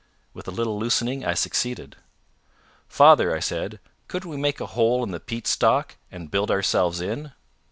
With a little loosening I succeeded. "Father," I said, "couldn't we make a hole in the peat stalk, and build ourselves in?"